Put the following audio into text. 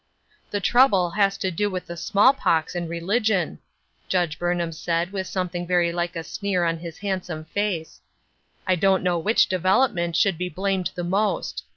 "The trouble has to do with small pox and religion !" Judge Burnham said, with something very like a sneer on his handsome face. "I don't know which development should be blamed the most.